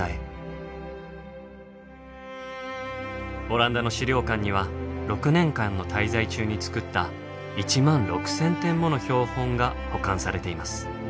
オランダの資料館には６年間の滞在中に作った１万６，０００点もの標本が保管されています。